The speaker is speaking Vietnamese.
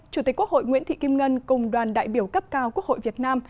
chủ tịch quốc hội nguyễn thị kim ngân cùng đoàn đại biểu cấp cao quốc hội việt nam